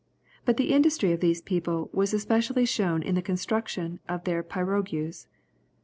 But the industry of these people was especially shown in the construction of their pirogues.